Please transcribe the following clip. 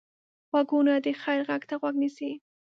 غوږونه د خیر غږ ته غوږ نیسي